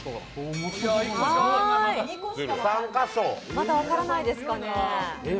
まだ分からないですかね？